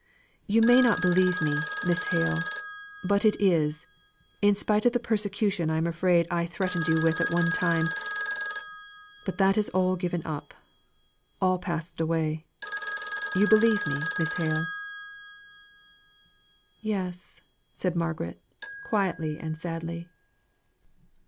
You may not believe me, Miss Hale, but it is in spite of the persecution I'm afraid I threatened you with at one time but that is all given up; all passed away. You believe me, Miss Hale?" "Yes," said Margaret, quietly and sadly.